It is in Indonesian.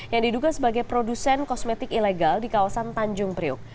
yang diduga sebagai produsen kosmetik ilegal di kawasan tanjung priuk